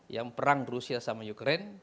yang perang rusia sama ukraine